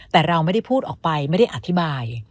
แต่เราไม่ได้พูดออกไปไม่ได้อธิบาย